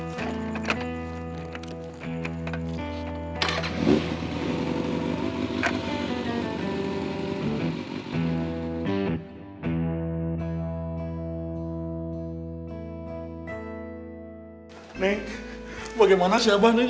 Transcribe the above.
bagaimana sih abah nih